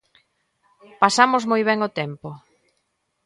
Pasamos moi ben o tempo.